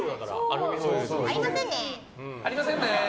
ありませんね！